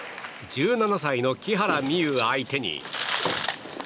１７歳の木原美悠相手に。